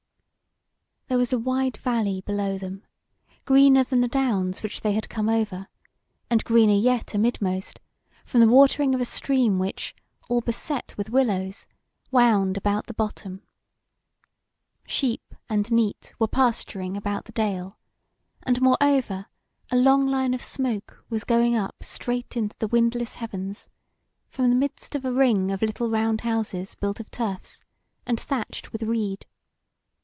There was a wide valley below them, greener than the downs which they had come over, and greener yet amidmost, from the watering of a stream which, all beset with willows, wound about the bottom. Sheep and neat were pasturing about the dale, and moreover a long line of smoke was going up straight into the windless heavens from the midst of a ring of little round houses built of turfs, and thatched with reed.